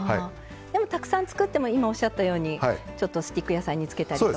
たくさん作っても今おっしゃったようにちょっとスティック野菜につけたりとか。